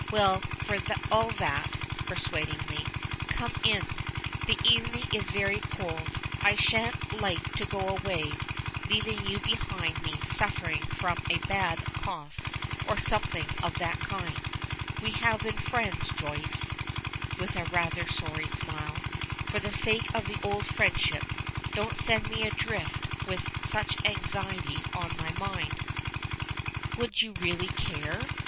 Well, for all that," persuadingly, "come in. The evening is very cold. I shan't like to go away, leaving you behind me suffering from a bad cough or something of that kind. We have been friends, Joyce," with a rather sorry smile. "For the sake of the old friendship, don't send me adrift with such an anxiety upon my mind." "Would you really care?"